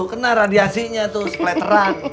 kena radiasinya tuh sepeteran